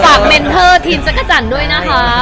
เมนเทอร์ทีมจักรจันทร์ด้วยนะคะ